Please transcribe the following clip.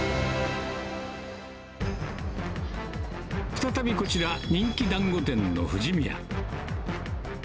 再びこちら、人気だんご店の富士見屋。